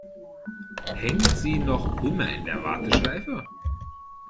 Hängt sie noch immer in der Warteschleife?